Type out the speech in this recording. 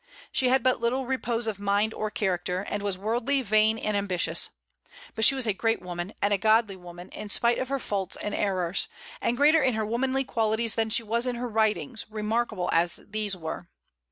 She had but little repose of mind or character, and was worldly, vain, and ambitious. But she was a great woman and a good woman, in spite of her faults and errors; and greater in her womanly qualities than she was in her writings, remarkable as these were.